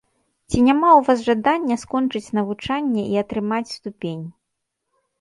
Ці няма ў вас жадання скончыць навучанне і атрымаць ступень?